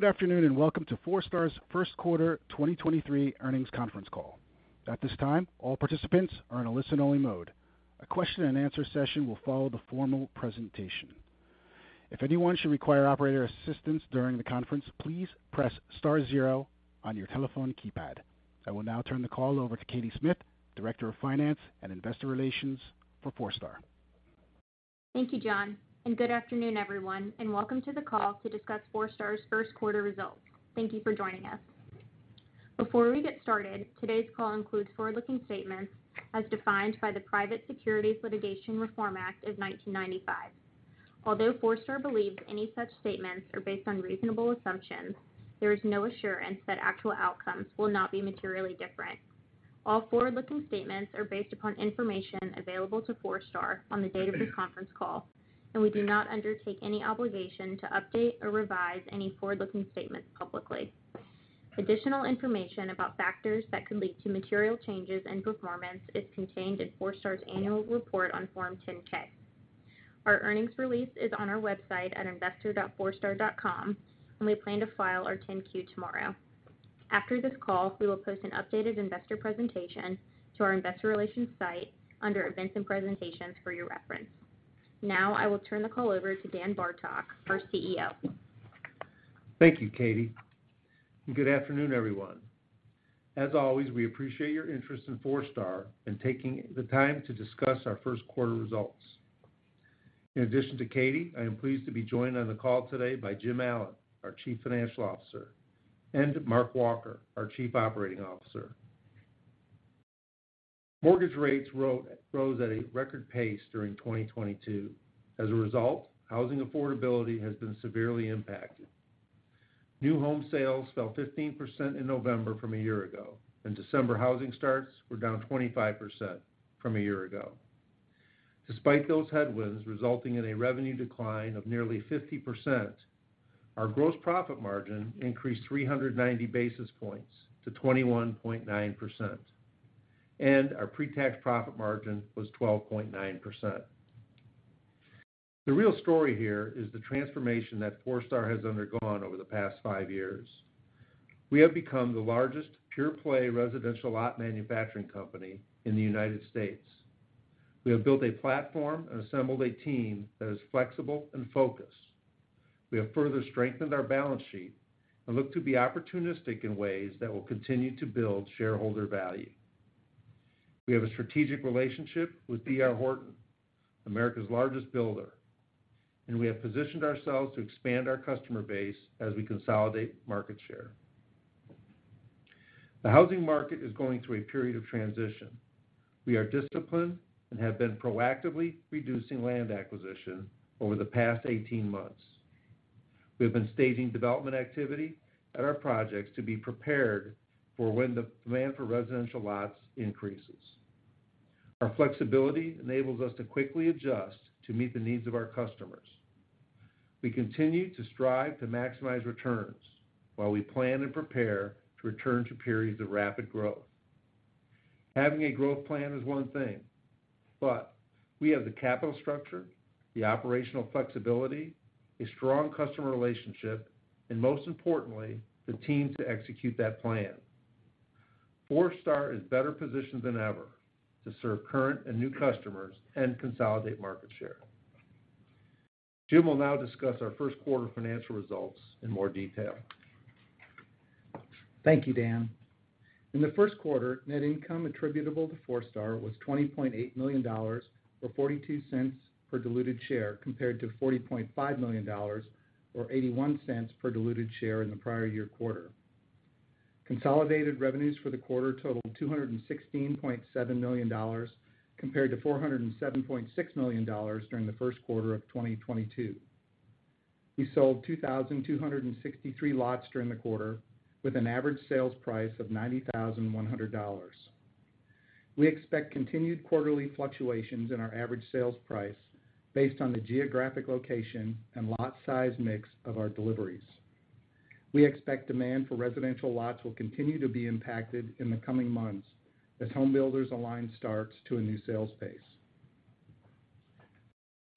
Good afternoon. Welcome to Forestar's first quarter 2023 Earnings Conference Call. At this time, all participants are in a listen-only mode. A question and answer session will follow the formal presentation. If anyone should require operator assistance during the conference, please press star zero on your telephone keypad. I will now turn the call over to Katie Smith, Director of Finance and Investor Relations for Forestar. Thank you, John. Good afternoon, everyone, and welcome to the call to discuss Forestar's First Quarter Results. Thank you for joining us. Before we get started, today's call includes forward-looking statements as defined by the Private Securities Litigation Reform Act of 1995. Although Forestar believes any such statements are based on reasonable assumptions, there is no assurance that actual outcomes will not be materially different. All forward-looking statements are based upon information available to Forestar on the date of the conference call. We do not undertake any obligation to update or revise any forward-looking statements publicly. Additional information about factors that could lead to material changes in performance is contained in Forestar's Annual Report on Form 10-K. Our earnings release is on our website at investor.forestar.com. We plan to file our 10-Q tomorrow. After this call, we will post an updated investor presentation to our investor relations site under Events and Presentations for your reference. I will turn the call over to Dan Bartok, our CEO. Thank you, Katie. Good afternoon, everyone. As always, we appreciate your interest in Forestar and taking the time to discuss our first quarter results. In addition to Katie, I am pleased to be joined on the call today by Jim Allen, our Chief Financial Officer, and Mark Walker, our Chief Operating Officer. Mortgage rates rose at a record pace during 2022. As a result, housing affordability has been severely impacted. New home sales fell 15% in November from a year ago, and December housing starts were down 25% from a year ago. Despite those headwinds resulting in a revenue decline of nearly 50%, our gross profit margin increased 390 basis points to 21.9%, and our pre-tax profit margin was 12.9%. The real story here is the transformation that Forestar has undergone over the past five years. We have become the largest pure-play residential lot manufacturing company in the United States. We have built a platform and assembled a team that is flexible and focused. We have further strengthened our balance sheet and look to be opportunistic in ways that will continue to build shareholder value. We have a strategic relationship with D.R. Horton, America's largest builder, and we have positioned ourselves to expand our customer base as we consolidate market share. The housing market is going through a period of transition. We are disciplined and have been proactively reducing land acquisition over the past 18 months. We have been staging development activity at our projects to be prepared for when the demand for residential lots increases. Our flexibility enables us to quickly adjust to meet the needs of our customers. We continue to strive to maximize returns while we plan and prepare to return to periods of rapid growth. Having a growth plan is one thing. We have the capital structure, the operational flexibility, a strong customer relationship, and most importantly, the teams to execute that plan. Forestar is better positioned than ever to serve current and new customers and consolidate market share. Jim will now discuss our first quarter financial results in more detail. Thank you, Dan. In the first quarter, net income attributable to Forestar was $20.8 million or $0.42 per diluted share, compared to $40.5 million or $0.81 per diluted share in the prior year quarter. Consolidated revenues for the quarter totaled $216.7 million, compared to $407.6 million during the first quarter of 2022. We sold 2,263 lots during the quarter, with an average sales price of $90,100. We expect continued quarterly fluctuations in our average sales price based on the geographic location and lot size mix of our deliveries. We expect demand for residential lots will continue to be impacted in the coming months as home builders align starts to a new sales pace.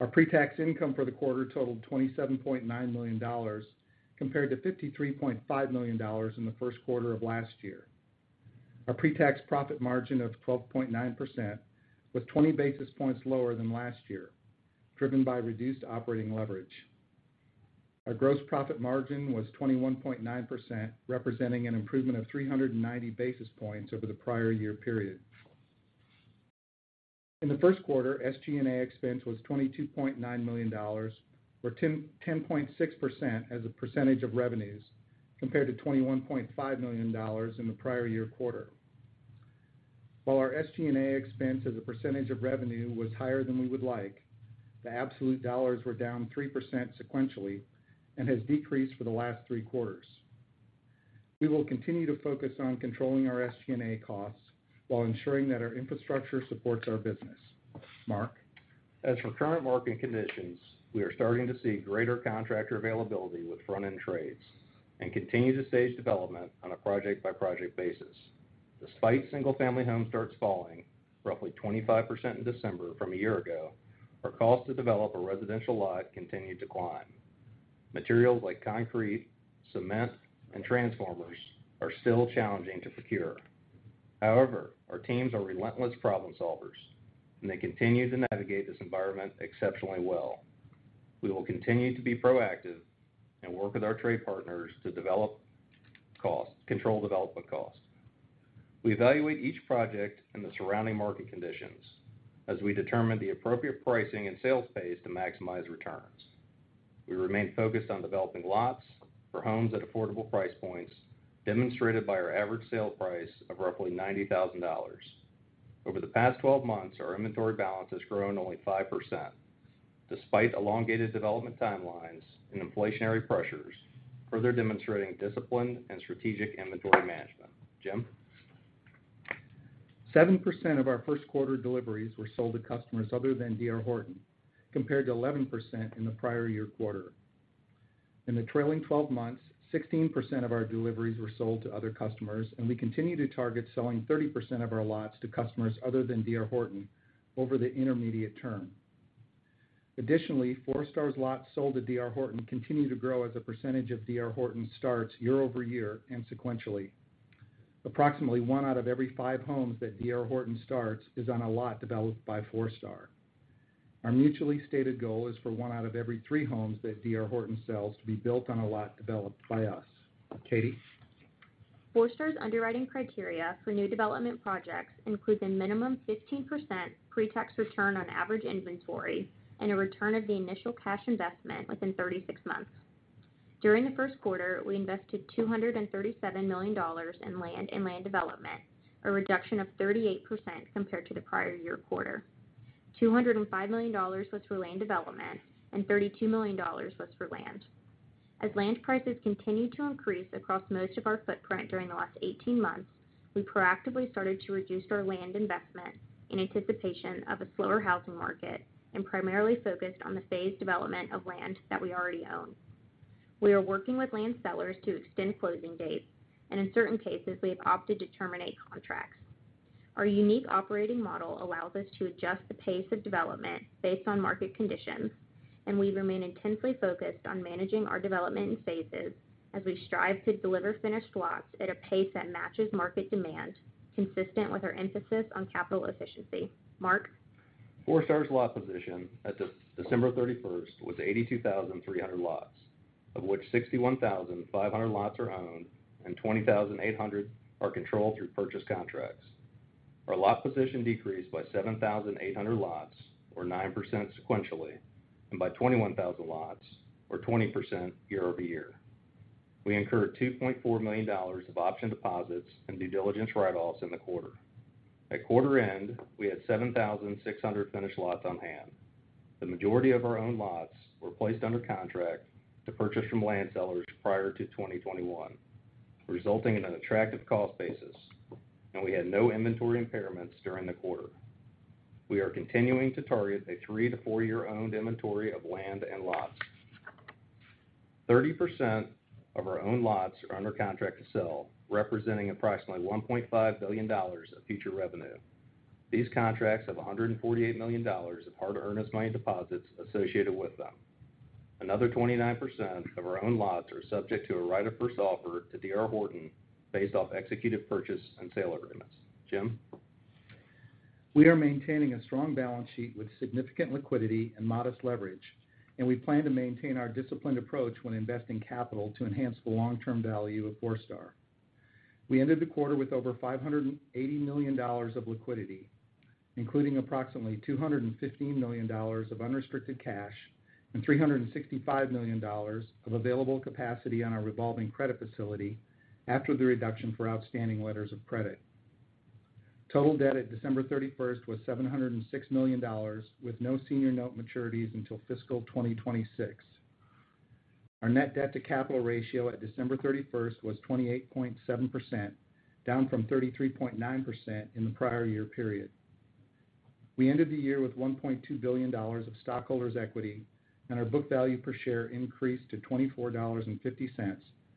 Our pre-tax income for the quarter totaled $27.9 million, compared to $53.5 million in the first quarter of last year. Our pre-tax profit margin of 12.9% was 20 basis points lower than last year, driven by reduced operating leverage. Our gross profit margin was 21.9%, representing an improvement of 390 basis points over the prior year period. In the first quarter, SG&A expense was $22.9 million or 10.6% as a percentage of revenues, compared to $21.5 million in the prior year quarter. While our SG&A expense as a percentage of revenue was higher than we would like, the absolute dollars were down 3% sequentially and has decreased for the last three quarters. We will continue to focus on controlling our SG&A costs while ensuring that our infrastructure supports our business. Mark? As for current market conditions, we are starting to see greater contractor availability with front-end trades and continue to stage development on a project-by-project basis. Despite single-family home starts falling roughly 25% in December from a year ago, our cost to develop a residential lot continued to climb. Materials like concrete, cement, and transformers are still challenging to secure. However, our teams are relentless problem solvers, and they continue to navigate this environment exceptionally well. We will continue to be proactive and work with our trade partners to control development costs. We evaluate each project and the surrounding market conditions as we determine the appropriate pricing and sales pace to maximize returns. We remain focused on developing lots for homes at affordable price points, demonstrated by our average sale price of roughly $90,000. Over the past 12 months, our inventory balance has grown only 5% despite elongated development timelines and inflationary pressures, further demonstrating discipline and strategic inventory management. Jim? 7% of our first quarter deliveries were sold to customers other than D.R. Horton, compared to 11% in the prior year quarter. In the trailing 12 months, 16% of our deliveries were sold to other customers, and we continue to target selling 30% of our lots to customers other than D.R. Horton over the intermediate term. Additionally, Forestar's lots sold to D.R. Horton continue to grow as a percentage of D.R. Horton starts year-over-year and sequentially. Approximately one out of every five homes that D.R. Horton starts is on a lot developed by Forestar. Our mutually stated goal is for one out of every three homes that D.R. Horton sells to be built on a lot developed by us. Katie? Forestar's underwriting criteria for new development projects includes a minimum 15% pretax return on average inventory and a return of the initial cash investment within 36 months. During the first quarter, we invested $237 million in land and land development, a reduction of 38% compared to the prior year quarter. $205 million was for land development, and $32 million was for land. As land prices continued to increase across most of our footprint during the last 18 months, we proactively started to reduce our land investment in anticipation of a slower housing market and primarily focused on the phased development of land that we already own. We are working with land sellers to extend closing dates, and in certain cases, we have opted to terminate contracts. Our unique operating model allows us to adjust the pace of development based on market conditions, and we remain intensely focused on managing our development in phases as we strive to deliver finished lots at a pace that matches market demand, consistent with our emphasis on capital efficiency. Mark? Forestar's lot position at December 31st was 82,300 lots, of which 61,500 lots are owned and 20,800 are controlled through purchase contracts. Our lot position decreased by 7,800 lots, or 9% sequentially, and by 21,000 lots, or 20% year-over-year. We incurred $2.4 million of option deposits and due diligence write-offs in the quarter. At quarter end, we had 7,600 finished lots on hand. The majority of our own lots were placed under contract to purchase from land sellers prior to 2021, resulting in an attractive cost basis, and we had no inventory impairments during the quarter. We are continuing to target a three to four-year owned inventory of land and lots. 30% of our owned lots are under contract to sell, representing approximately $1.5 billion of future revenue. These contracts have $148 million of hard earnest money deposits associated with them. Another 29% of our owned lots are subject to a right of first offer to D.R. Horton based off executed purchase and sale agreements. Jim? We are maintaining a strong balance sheet with significant liquidity and modest leverage. We plan to maintain our disciplined approach when investing capital to enhance the long-term value of Forestar. We ended the quarter with over $580 million of liquidity, including approximately $215 million of unrestricted cash and $365 million of available capacity on our revolving credit facility after the reduction for outstanding letters of credit. Total debt at December 31st was $706 million, with no senior note maturities until fiscal 2026. Our net debt to capital ratio at December 31st was 28.7%, down from 33.9% in the prior year period. We ended the year with $1.2 billion of stockholders' equity, and our book value per share increased to $24.50,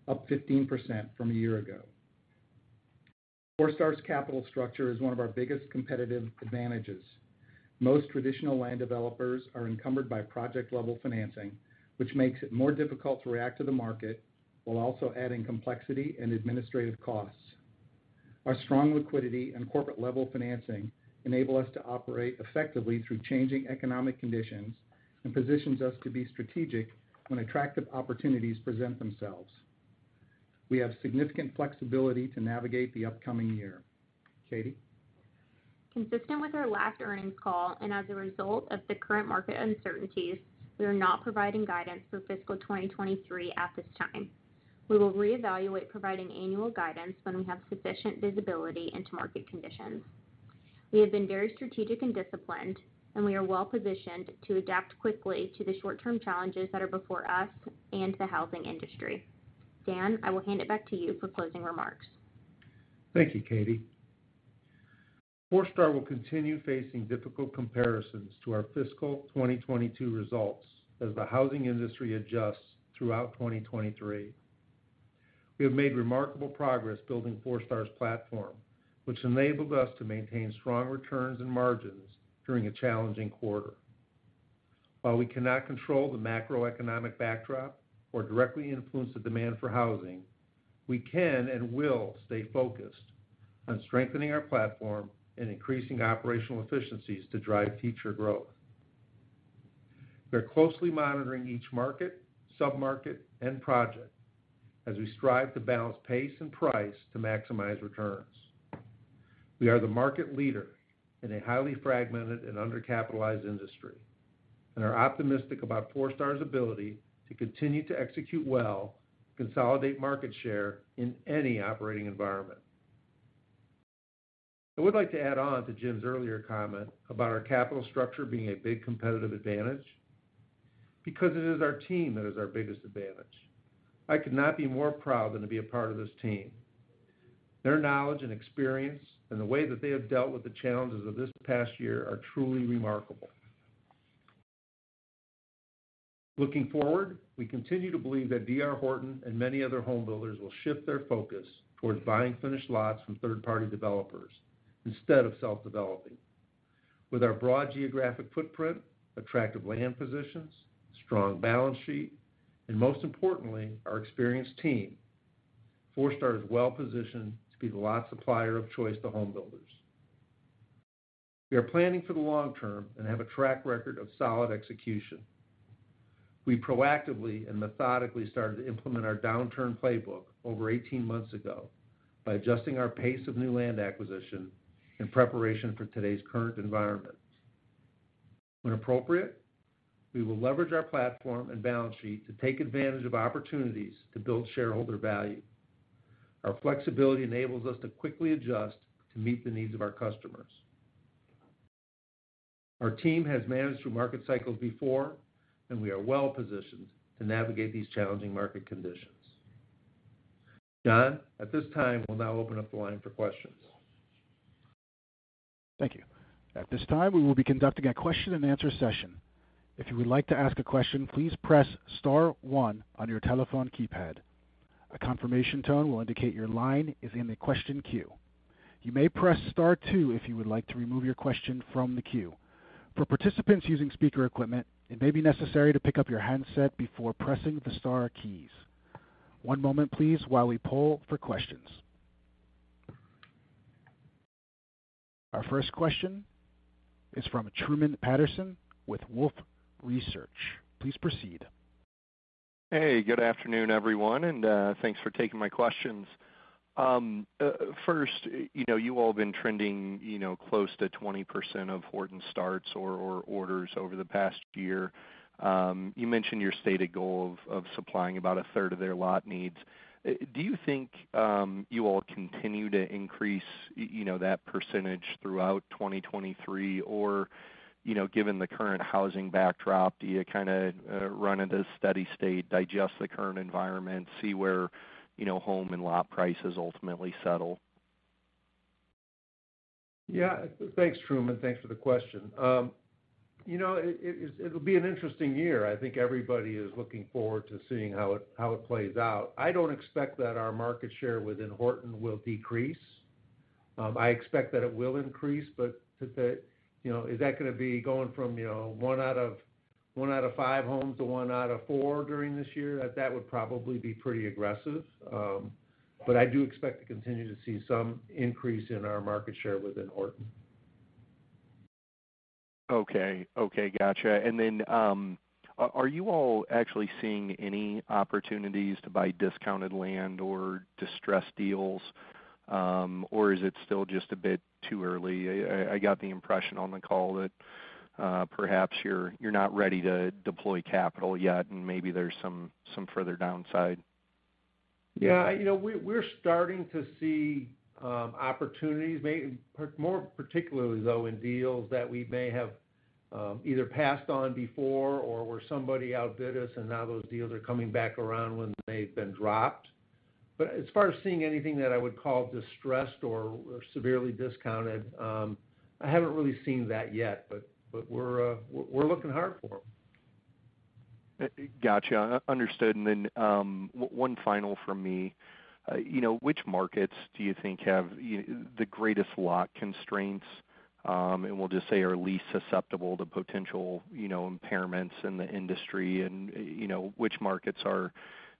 up 15% from a year ago. Forestar's capital structure is one of our biggest competitive advantages. Most traditional land developers are encumbered by project-level financing, which makes it more difficult to react to the market while also adding complexity and administrative costs. Our strong liquidity and corporate-level financing enable us to operate effectively through changing economic conditions and positions us to be strategic when attractive opportunities present themselves. We have significant flexibility to navigate the upcoming year. Katie? Consistent with our last earnings call and as a result of the current market uncertainties, we are not providing guidance for fiscal 2023 at this time. We will reevaluate providing annual guidance when we have sufficient visibility into market conditions. We have been very strategic and disciplined, and we are well-positioned to adapt quickly to the short-term challenges that are before us and the housing industry. Dan, I will hand it back to you for closing remarks. Thank you, Katie. Forestar will continue facing difficult comparisons to our fiscal 2022 results as the housing industry adjusts throughout 2023. We have made remarkable progress building Forestar's platform, which enabled us to maintain strong returns and margins during a challenging quarter. While we cannot control the macroeconomic backdrop or directly influence the demand for housing, we can and will stay focused on strengthening our platform and increasing operational efficiencies to drive future growth. We are closely monitoring each market, sub-market, and project as we strive to balance pace and price to maximize returns. We are the market leader in a highly fragmented and undercapitalized industry and are optimistic about Forestar's ability to continue to execute well, consolidate market share in any operating environment. I would like to add on to Jim's earlier comment about our capital structure being a big competitive advantage because it is our team that is our biggest advantage. I could not be more proud than to be a part of this team. Their knowledge and experience and the way that they have dealt with the challenges of this past year are truly remarkable. Looking forward, we continue to believe that D.R. Horton and many other home builders will shift their focus towards buying finished lots from third-party developers instead of self-developing. With our broad geographic footprint, attractive land positions, strong balance sheet, and most importantly, our experienced team, Forestar is well positioned to be the lot supplier of choice to home builders. We are planning for the long term and have a track record of solid execution. We proactively and methodically started to implement our downturn playbook over 18 months ago by adjusting our pace of new land acquisition in preparation for today's current environment. When appropriate, we will leverage our platform and balance sheet to take advantage of opportunities to build shareholder value. Our flexibility enables us to quickly adjust to meet the needs of our customers. Our team has managed through market cycles before, and we are well positioned to navigate these challenging market conditions. John, at this time, we'll now open up the line for questions. Thank you. At this time, we will be conducting a question-and-answer session. If you would like to ask a question, please press star one on your telephone keypad. A confirmation tone will indicate your line is in the question queue. You may press star two if you would like to remove your question from the queue. For participants using speaker equipment, it may be necessary to pick up your handset before pressing the star keys. One moment, please, while we poll for questions. Our first question is from Truman Patterson with Wolfe Research. Please proceed. Hey, good afternoon, everyone, and thanks for taking my questions. First, you know, you all have been trending, you know, close to 20% of Horton starts or orders over the past year. You mentioned your stated goal of supplying about a third of their lot needs. Do you think you all continue to increase, you know, that percentage throughout 2023? Given the current housing backdrop, do you kinda run into steady state, digest the current environment, see where, you know, home and lot prices ultimately settle? Yeah. Thanks, Truman. Thanks for the question. You know, it'll be an interesting year. I think everybody is looking forward to seeing how it plays out. I don't expect that our market share within Horton will decrease. I expect that it will increase, but to say, you know, is that gonna be going from, you know, one out of five homes to one out of four during this year, that would probably be pretty aggressive. I do expect to continue to see some increase in our market share within Horton. Okay. Okay, gotcha. Are you all actually seeing any opportunities to buy discounted land or distressed deals? Or is it still just a bit too early? I got the impression on the call that perhaps you're not ready to deploy capital yet, and maybe there's some further downside. Yeah. You know, we're starting to see opportunities, more particularly, though, in deals that we may have either passed on before or where somebody outbid us and now those deals are coming back around when they've been dropped. As far as seeing anything that I would call distressed or severely discounted, I haven't really seen that yet, but we're looking hard for them. Gotcha. Understood. Then, one final from me. You know, which markets do you think have, you know, the greatest lot constraints, and we'll just say are least susceptible to potential, you know, impairments in the industry and, you know, which markets are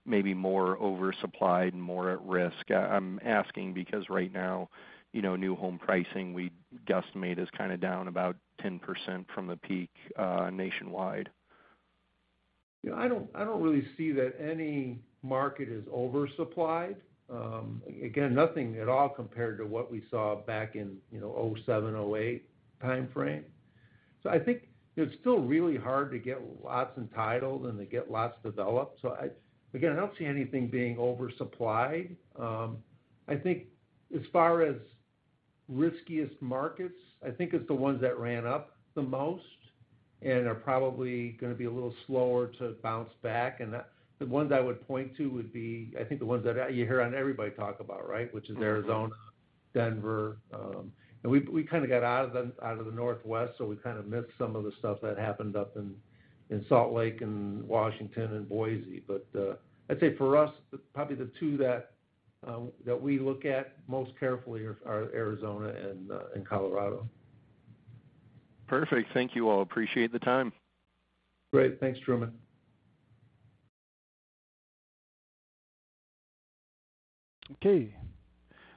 maybe more oversupplied, more at risk? I'm asking because right now, you know, new home pricing we guesstimate is kind of down about 10% from the peak, nationwide. Yeah. I don't, I don't really see that any market is oversupplied. Again, nothing at all compared to what we saw back in, you know, 2007, 2008 timeframe. I think it's still really hard to get lots entitled and to get lots developed. Again, I don't see anything being oversupplied. I think as far as riskiest markets, I think it's the ones that ran up the most, and are probably going to be a little slower to bounce back. The ones I would point to would be, I think the ones that you hear on everybody talk about, right? Which is Arizona, Denver, and we kind of got out of the Northwest, so we kind of missed some of the stuff that happened up in Salt Lake and Washington and Boise. I'd say for us, probably the two that we look at most carefully are Arizona and Colorado. Perfect. Thank you all. Appreciate the time. Great. Thanks, Truman. Okay.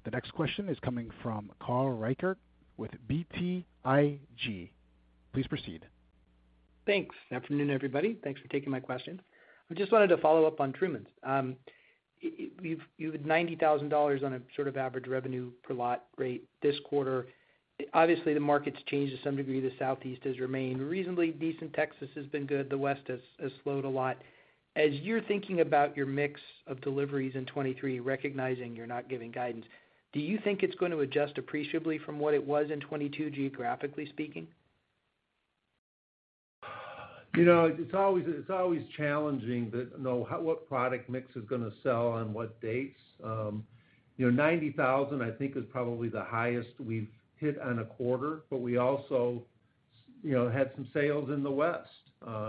The next question is coming from Carl Reichardt with BTIG. Please proceed. Thanks. Afternoon, everybody. Thanks for taking my question. I just wanted to follow up on Truman's. You had $90,000 on a sort of average revenue per lot rate this quarter. Obviously, the market's changed to some degree. The Southeast has remained reasonably decent. Texas has been good. The West has slowed a lot. As you're thinking about your mix of deliveries in 2023, recognizing you're not giving guidance, do you think it's going to adjust appreciably from what it was in 2022, geographically speaking? You know, it's always, it's always challenging to know how what product mix is gonna sell on what dates. You know, $90,000, I think, is probably the highest we've hit on a quarter, but we also, you know, had some sales in the West.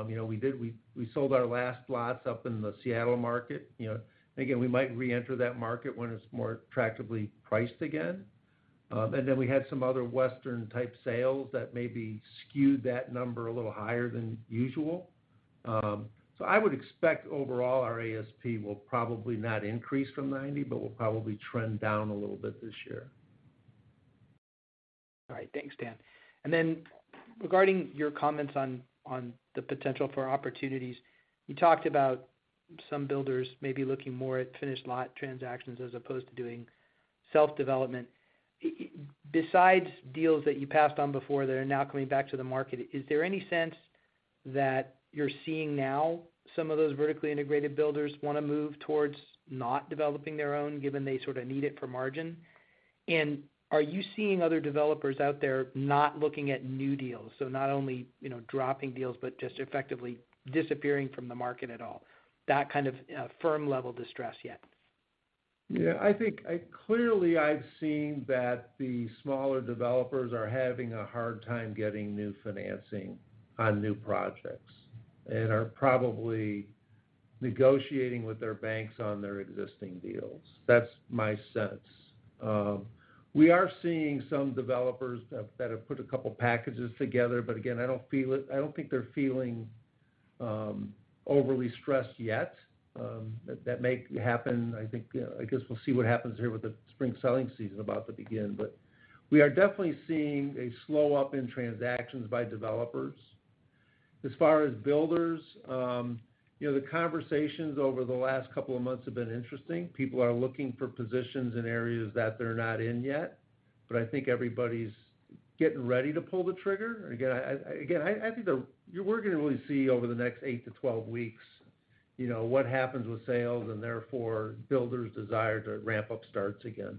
You know, we sold our last lots up in the Seattle market. You know, again, we might reenter that market when it's more attractively priced again. We had some other Western-type sales that maybe skewed that number a little higher than usual. I would expect overall, our ASP will probably not increase from $90,000, but will probably trend down a little bit this year. All right. Thanks, Dan. Regarding your comments on the potential for opportunities, you talked about some builders may be looking more at finished lot transactions as opposed to doing self-development. Besides deals that you passed on before that are now coming back to the market, is there any sense that you're seeing now some of those vertically integrated builders wanna move towards not developing their own, given they sort of need it for margin? Are you seeing other developers out there not looking at new deals, so not only, you know, dropping deals, but just effectively disappearing from the market at all, that kind of firm-level distress yet? Yeah, I think I clearly, I've seen that the smaller developers are having a hard time getting new financing on new projects and are probably negotiating with their banks on their existing deals. That's my sense. We are seeing some developers that have put a couple packages together, but again, I don't think they're feeling overly stressed yet. That, that may happen, I think. I guess we'll see what happens here with the spring selling season about to begin. We are definitely seeing a slow up in transactions by developers. As far as builders, you know, the conversations over the last couple of months have been interesting. People are looking for positions in areas that they're not in yet, but I think everybody's getting ready to pull the trigger. Again, I think the... We're going to really see over the next eight to 12 weeks, you know, what happens with sales and therefore builders' desire to ramp up starts again.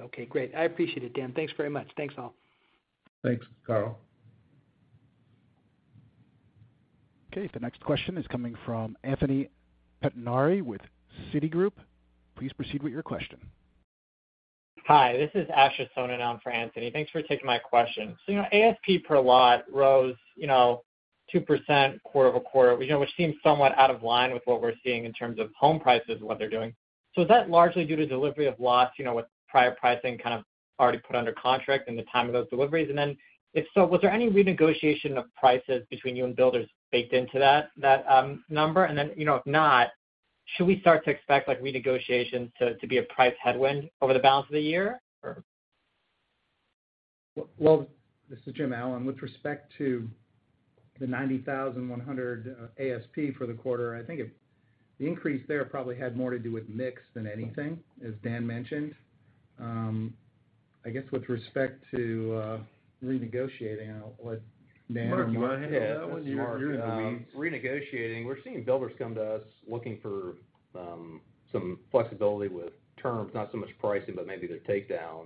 Okay, great. I appreciate it, Dan. Thanks very much. Thanks, all. Thanks, Carl. Okay. The next question is coming from Anthony Pettinari with Citigroup. Please proceed with your question. Hi, this is Asher Sohnen for Anthony. Thanks for taking my question. You know, ASP per lot rose, you know, 2% quarter-over-quarter, you know, which seems somewhat out of line with what we're seeing in terms of home prices and what they're doing. Is that largely due to delivery of lots, you know, with prior pricing kind of already put under contract and the time of those deliveries? If so, was there any renegotiation of prices between you and builders baked into that number? You know, if not, should we start to expect like renegotiation to be a price headwind over the balance of the year? Well, this is Jim Allen. With respect to the $90,100 ASP for the quarter, I think the increase there probably had more to do with mix than anything, as Dan mentioned. I guess with respect to renegotiating, I'll let Dan. Mark, go ahead. Yes, Mark. Renegotiating, we're seeing builders come to us looking for some flexibility with terms, not so much pricing, but maybe their takedown.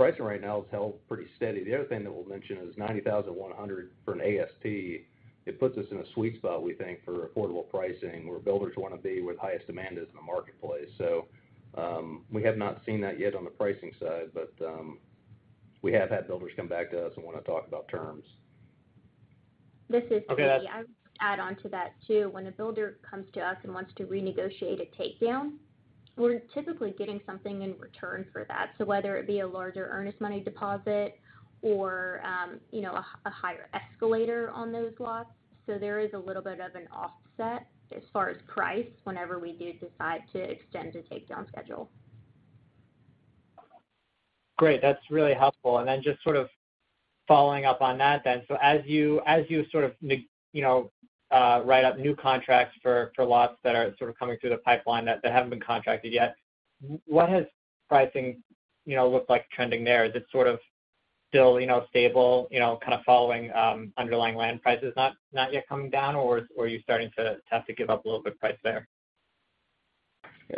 Pricing right now has held pretty steady. The other thing that we'll mention is $90,100 for an ASP, it puts us in a sweet spot, we think, for affordable pricing, where builders wanna be, where the highest demand is in the marketplace. We have not seen that yet on the pricing side, but we have had builders come back to us and wanna talk about terms. This is Amy. Okay. I'll add on to that too. When a builder comes to us and wants to renegotiate a takedown, we're typically getting something in return for that. Whether it be a larger earnest money deposit or, you know, a higher escalator on those lots. There is a little bit of an offset as far as price whenever we do decide to extend a takedown schedule. Great. That's really helpful. Then just sort of following up on that then. As you sort of, you know, write up new contracts for lots that are sort of coming through the pipeline that haven't been contracted yet, what has pricing, you know, looked like trending there? Is it sort of still, you know, stable, you know, kind of following underlying land prices not yet coming down, or are you starting to have to give up a little bit of price there?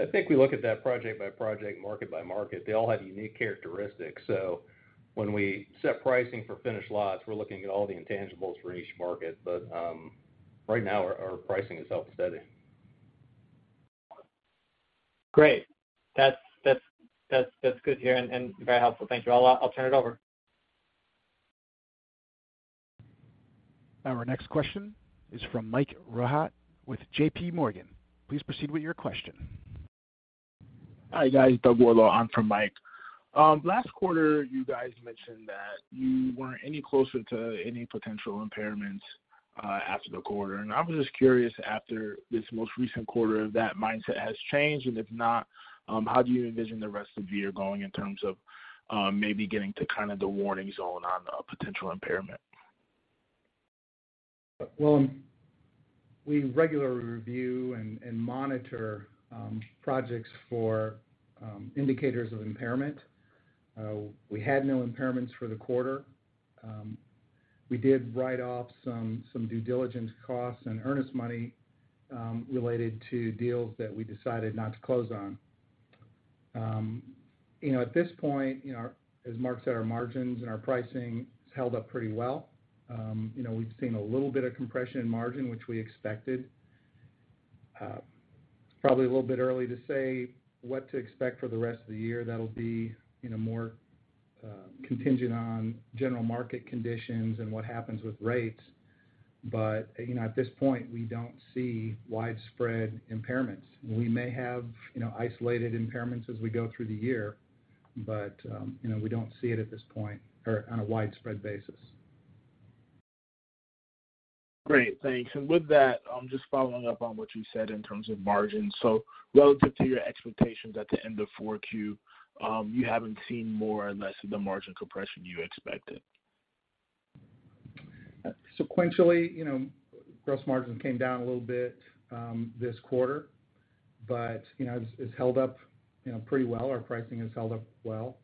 I think we look at that project by project, market by market. They all have unique characteristics. When we set pricing for finished lots, we're looking at all the intangibles for each market. Right now our pricing is held steady. Great. That's good to hear and very helpful. Thank you. I'll turn it over. Our next question is from Michael Rehaut with JPMorgan. Please proceed with your question. Hi, guys. Doug Wardlaw on for Mike. Last quarter, you guys mentioned that you weren't any closer to any potential impairments after the quarter. I was just curious, after this most recent quarter, if that mindset has changed, and if not, how do you envision the rest of the year going in terms of maybe getting to kind of the warning zone on a potential impairment? We regularly review and monitor projects for indicators of impairment. We had no impairments for the quarter. We did write off some due diligence costs and earnest money related to deals that we decided not to close on. You know, at this point, you know, as Mark said, our margins and our pricing has held up pretty well. You know, we've seen a little bit of compression in margin, which we expected. Probably a little bit early to say what to expect for the rest of the year. That'll be, you know, more contingent on general market conditions and what happens with rates. You know, at this point, we don't see widespread impairments. We may have, you know, isolated impairments as we go through the year, but, you know, we don't see it at this point or on a widespread basis. Great. Thanks. With that, I'm just following up on what you said in terms of margins. Relative to your expectations at the end of 4Q, you haven't seen more or less of the margin compression you expected. Sequentially, you know, gross margins came down a little bit, this quarter, but, you know, it's held up, you know, pretty well. Our pricing has held up well.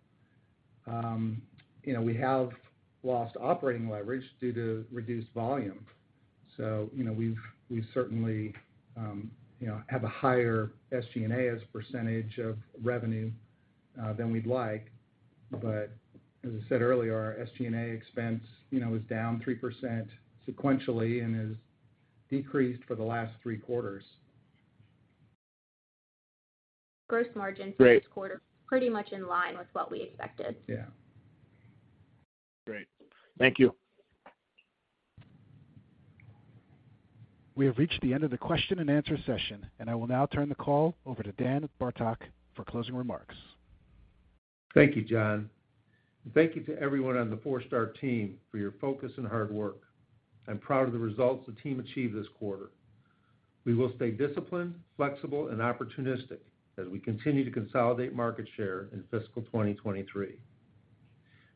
You know, we have lost operating leverage due to reduced volume. You know, we certainly, you know, have a higher SG&A as % of revenue than we'd like. As I said earlier, our SG&A expense, you know, is down 3% sequentially and has decreased for the last three quarters. Gross margins. Great... for this quarter pretty much in line with what we expected. Yeah. Great. Thank you. We have reached the end of the question and answer session, and I will now turn the call over to Dan Bartok for closing remarks. Thank you, John. Thank you to everyone on the Forestar team for your focus and hard work. I'm proud of the results the team achieved this quarter. We will stay disciplined, flexible and opportunistic as we continue to consolidate market share in fiscal 2023.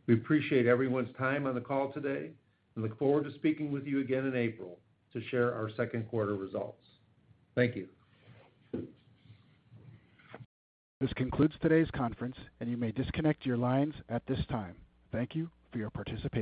We appreciate everyone's time on the call today and look forward to speaking with you again in April to share our second quarter results. Thank you. This concludes today's conference, and you may disconnect your lines at this time. Thank you for your participation.